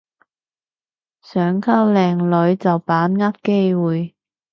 想溝靚女就把握機會